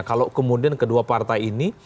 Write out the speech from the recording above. kalau kemudian kedua partai ini